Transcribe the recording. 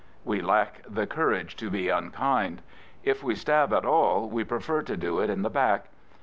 We lack the courage to be unkind. If jwa stab at all we pref^ to do it in the . back.